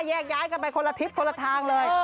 แยกย้ายกันไปคนละทิศคนละทางเลย